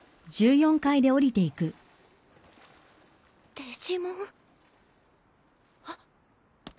デジモン？あっ。